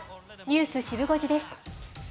ニュースシブ５時です。